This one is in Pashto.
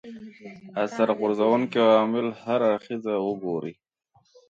اثر غورځونکي عوامل هر اړخیزه وګوري